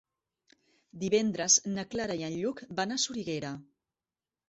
Divendres na Clara i en Lluc van a Soriguera.